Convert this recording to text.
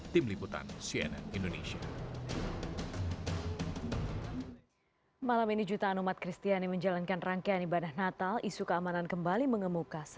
tim liputan cnn indonesia